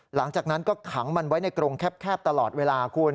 หลังจากนั้นก็ขังมันไว้ในกรงแคบตลอดเวลาคุณ